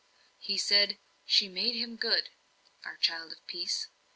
He said, "She made him good" our child of peace.